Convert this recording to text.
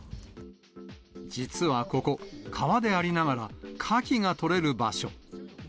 実はここ、川でありながら、カキが取れる場所。